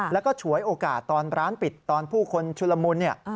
แล้วก็ฉวยโอกาสตอนร้านปิดตอนผู้คนชุลมุนเนี่ย